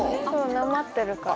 なまってるから。